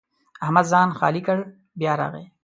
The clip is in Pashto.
احمد ځان خالي کړ؛ بیا راغی.